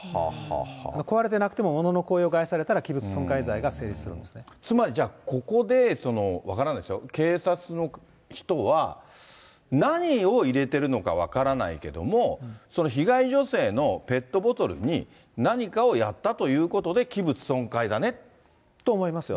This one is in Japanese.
壊れてなくても、ものの効用を害されたら、器物損壊罪が成立するつまりじゃあ、ここで、分からないですよ、警察の人は、何を入れてるのか分からないけれども、その被害女性のペットボトルに何かをやったということで、と思いますよ。